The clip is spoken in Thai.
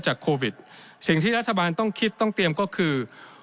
โควิดสิ่งที่รัฐบาลต้องคิดต้องเตรียมก็คือ